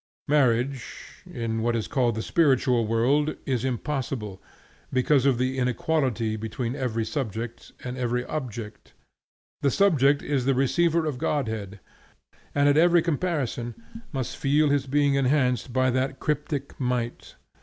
Marriage (in what is called the spiritual world) is impossible, because of the inequality between every subject and every object. The subject is the receiver of Godhead, and at every comparison must feel his being enhanced by that cryptic might.